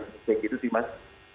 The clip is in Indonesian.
seperti itu sih mas